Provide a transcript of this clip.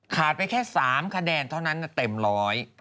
ไปแค่๓คะแนนเท่านั้นเต็มร้อย